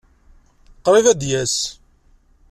Qṛib ad yas.